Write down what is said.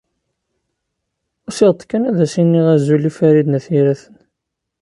Usiɣ-d kan ad as-iniɣ azul i Farid n At Yiraten.